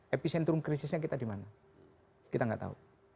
episentrum krisisnya kita dimana kita nggak tahu